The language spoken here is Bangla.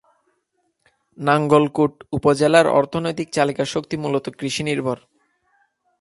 নাঙ্গলকোট উপজেলার অর্থনৈতিক চালিকা শক্তি মূলত কৃষি নির্ভর।